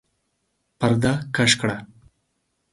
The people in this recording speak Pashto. پرده کش کړه!